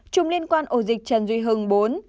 một mươi hai chùm liên quan ổ dịch trần duy hưng bốn